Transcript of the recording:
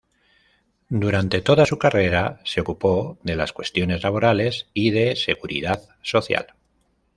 Durante toda su carrera se ocupó de las cuestiones laborales y de seguridad social.